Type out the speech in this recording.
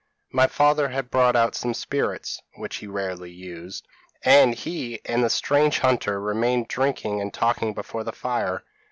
My father had brought out some spirits, which he rarely used, and he and the strange hunter remained drinking and talking before the fire.